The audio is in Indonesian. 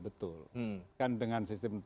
betul kan dengan sistem